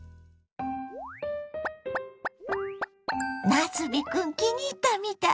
なすびクン気に入ったみたいね。